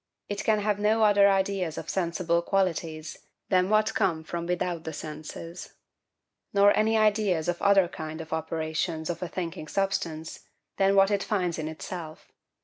It can have no other ideas of sensible qualities than what come from without [*dropped word] the senses; nor any ideas of other kind of operations of a thinking substance, than what it finds in itself.